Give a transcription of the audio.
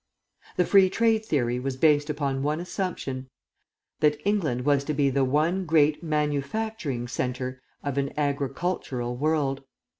"The Free Trade theory was based upon one assumption: that England was to be the one great manufacturing centre of an agricultural world.